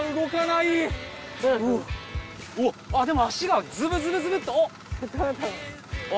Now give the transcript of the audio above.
あっでも足がズブズブズブっとおっ！